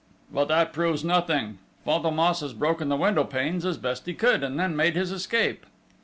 "But that proves nothing!... Fantômas has broken the window panes as best he could, and then made his escape!"